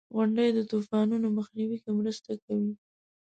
• غونډۍ د طوفانونو مخنیوي کې مرسته کوي.